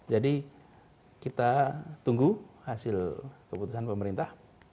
jadi kita tunggu hasil keputusan pemerintah